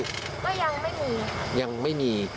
ก็ยังไม่มียังไม่มี